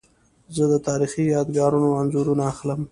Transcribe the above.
زه د تاریخي یادګارونو انځورونه اخلم.